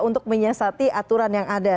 untuk menyiasati aturan yang ada